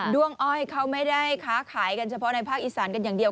้วงอ้อยเขาไม่ได้ค้าขายกันเฉพาะในภาคอีสานกันอย่างเดียว